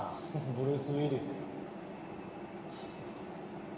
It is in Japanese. ブルース・ウィリスや。